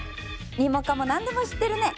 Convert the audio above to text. ニモカモ何でも知ってるね！